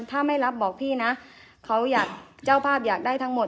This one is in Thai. ถ้าไม่รับบอกพี่นะเขาอยากเจ้าภาพอยากได้ทั้งหมด